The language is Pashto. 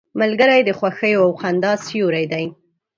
ملګری د خوښیو او خندا سیوری دی